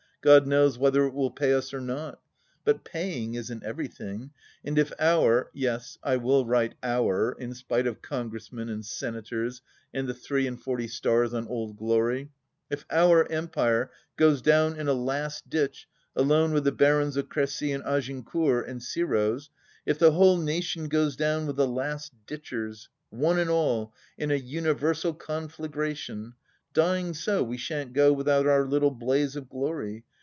God knows whether it will pay us or not ! But " paying " isn't every thing; and if our (yes, I will write our in spite of Congress men and senators and the three and forty stars on Old Glory), if our Empire goes down in a Last Ditch alone with the barons of Crecy and Agincourt — and Ciro's ; if the whole nation goes down with the Last Ditchers — one and all, in a universal conflagration — dying so, we shan't go without our little blaze of glory